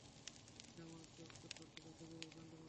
যা মানুষকে উৎখাত করেছিল খেজুরের কাণ্ডের মত।